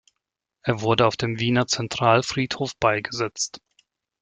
Er wurde auf dem Wiener Zentralfriedhof beigesetzt.